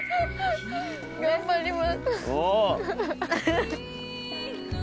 頑張ります。